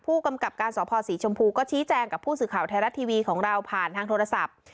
ผู้กำกับการสภศรีชมพูก็ชี้แจงกับผู้สื่อข่าวไทยรัฐทีวีของเราผ่านทางโทรศัพท์